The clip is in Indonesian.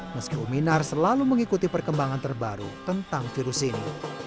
meski uminar selalu mengikuti perkembangan terbaru tentang virus ini